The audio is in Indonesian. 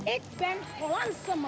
ik ben hoan semo